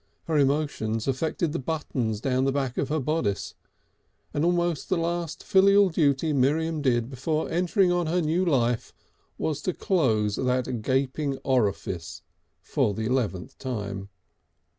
Her emotion affected the buttons down the back of her bodice, and almost the last filial duty Miriam did before entering on her new life was to close that gaping orifice for the eleventh time.